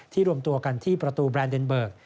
รวมตัวกันที่ประตูแบรนดเดนเบิร์ก